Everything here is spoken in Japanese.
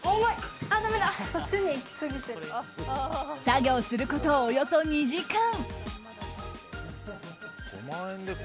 作業すること、およそ２時間。